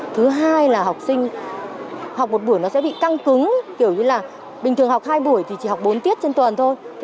thứ hai là học sinh học một buổi nó sẽ bị tăng cứng kiểu như là bình thường học hai buổi thì chỉ học bốn tiết trên tuần thôi